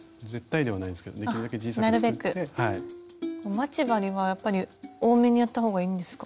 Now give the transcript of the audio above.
待ち針はやっぱり多めにやったほうがいいんですか？